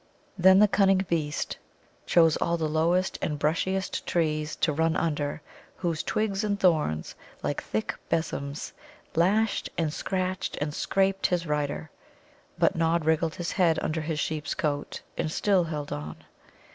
Then the cunning beast chose all the lowest and brushiest trees to run under, whose twigs and thorns, like thick besoms, lashed and scratched and scraped his rider. But Nod wriggled his head under his sheep's coat, and still held on.